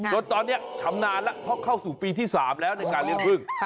จนตอนนี้ชำนาญแล้วเพราะเข้าสู่ปีที่๓แล้วในการเลี้ยงพึ่ง